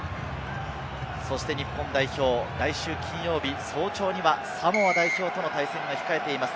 そして日本代表、来週金曜日、早朝にはサモア代表との対戦が控えています。